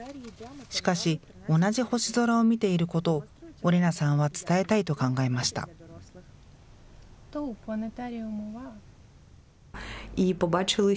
しかし、同じ星空を見ていることを、オレナさんは伝えたいと考えました。